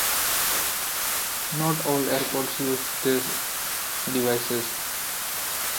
Not all airports use these devices.